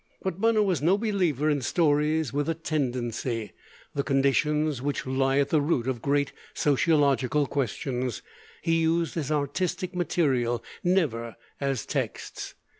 But Bunner was no believer in stories with a tendency; the conditions which lie at the root of great sociological questions he used as artistic material, never as texts.